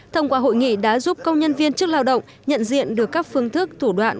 thông qua hội nghị đã giúp công nhân viên chức lao động nhận diện được các phương thức thủ đoạn